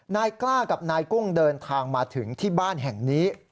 นายกล้ากับนายกุ้งเดินทางมาถึงที่บ้านแห่งนี้